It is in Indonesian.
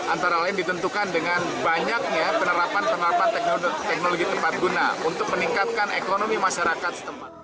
antara lain ditentukan dengan banyaknya penerapan penerapan teknologi tepat guna untuk meningkatkan ekonomi masyarakat setempat